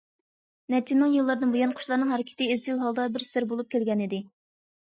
نەچچە مىڭ يىللاردىن بۇيان، قۇشلارنىڭ ھەرىكىتى ئىزچىل ھالدا بىر سىر بولۇپ كەلگەنىدى.